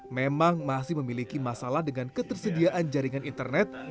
memang masih memiliki masalah dengan ketersediaan jaringan internet